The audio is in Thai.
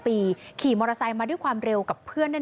พี่บ๊ายพี่บ๊ายพี่บ๊ายพี่บ๊ายพี่บ๊าย